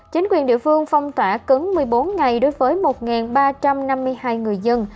chính quyền địa phương phong tỏa cứng một mươi bốn ngày đối với một ba trăm năm mươi hai người dân